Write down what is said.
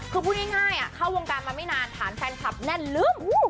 คือพูดง่ายเข้าวงการมาไม่นานฐานแฟนคลับแน่นลืม